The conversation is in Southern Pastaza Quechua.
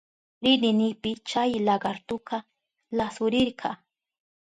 Ridinipi chay lakartuka lasurirka.